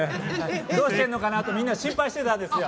どうしてるのかなとみんな心配してたんですよ。